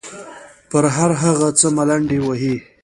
پر هر هغه څه ملنډې وهي.